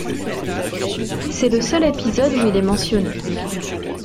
C'est le seul épisode où il est mentionné.